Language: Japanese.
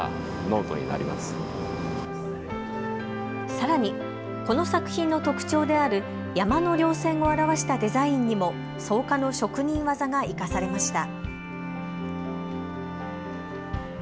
さらに、この作品の特徴である山のりょう線を表したデザインにも草加の職人技が生かされました。